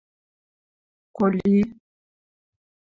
Коли...